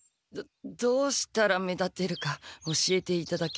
どどうしたら目立てるか教えていただけないかと。